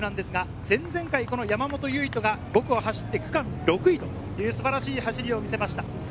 前々回、山本唯翔が５区を走って、区間６位という素晴らしい走りを見せました。